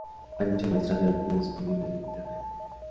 Hay muchas muestras de rutinas disponibles en Internet.